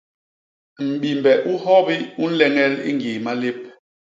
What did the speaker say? Mbimbe u hyobi u nleñel i ñgii malép.